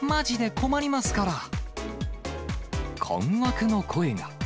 困惑の声が。